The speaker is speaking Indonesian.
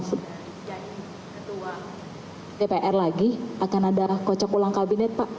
jadi ketua dpr lagi akan ada kocok ulang kabinet pak